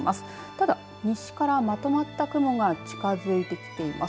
ただ、西からまとまった雲が近づいてきています。